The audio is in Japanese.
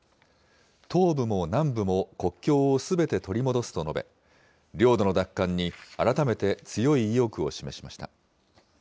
東部も南部も国境をすべて取り戻すと述べ、領土の奪還に改めて強い意欲を示しました。